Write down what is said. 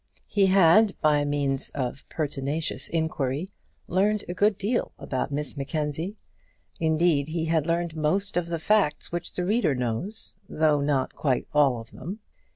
He had, by means of pertinacious inquiry, learned a good deal about Miss Mackenzie; indeed, he had learned most of the facts which the reader knows, though not quite all of them.